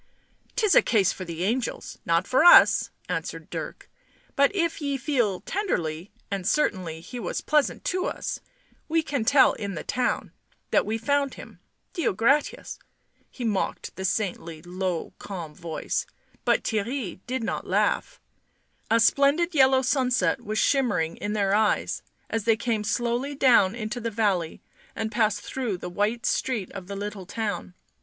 " 'Tis a case for the angels, not for us," answered Dirk. " But if ye feel tenderly (and certainly he was pleasant to us) we can tell in the town, that we found him. ' Deo gratias,' " he mocked the saintly, low calm voice, but Theirry did not laugh. A splendid yellow sunset was shimmering in their eyes as they came slowly down into the valley and passed through the white street of the little town.